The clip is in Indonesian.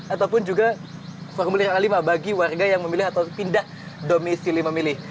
ataupun juga formulir a lima bagi warga yang memilih atau pindah domisi lima milih